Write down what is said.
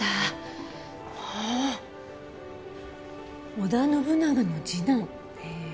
「織田信長の次男」へえ。